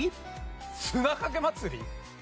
砂かけ祭。